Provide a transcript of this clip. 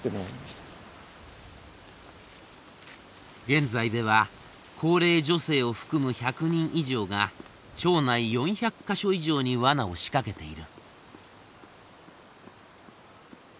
現在では高齢女性を含む１００人以上が町内４００か所以上にワナを仕掛けている。